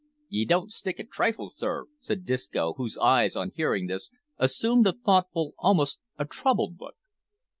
"Ye don't stick at trifles, sir," said Disco, whose eyes, on hearing this, assumed a thoughtful, almost a troubled look.